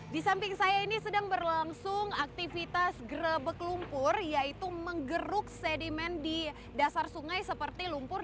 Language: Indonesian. di samping saya ini sedang berlangsung aktivitas gerebek lumpur yaitu menggeruk sedimen di dasar sungai seperti lumpur